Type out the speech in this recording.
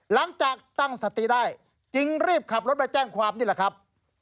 หลังจากตั้งสติได้จึงรีบขับรถมาแจ้งความนี่แหละครับ